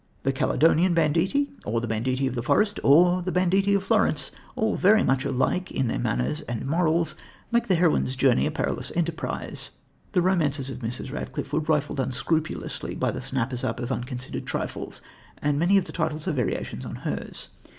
The Caledonian Banditti or The Banditti of the Forest, or The Bandit of Florence all very much alike in their manners and morals make the heroine's journey a perilous enterprise. The romances of Mrs. Radcliffe were rifled unscrupulously by the snappers up of unconsidered trifles, and many of the titles are variations on hers.